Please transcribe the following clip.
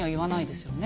ですよね？